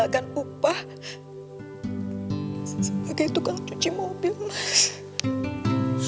pakai tukang cuci mobil mas